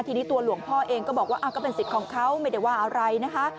ทีนี้ตัวหลวงพ่อเองก็บอกว่าก็เป็นสิทธิ์ของเขาไม่ได้ว่าอะไรนะคะ